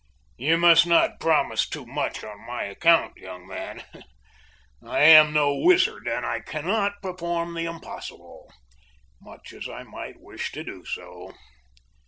"You must not promise too much on my account, young man. I am no wizard, and I cannot perform the impossible, much as I might wish to do so."